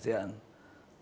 setelah thailand filipina